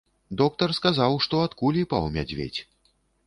Доктар сказаў, што ад кулі паў мядзведзь.